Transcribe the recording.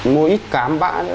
mua ít cám bã nữa